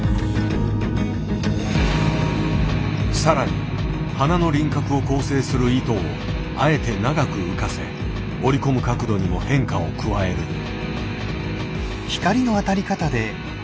さらに花の輪郭を構成する糸をあえて長く浮かせ織り込む角度にも変化を加える。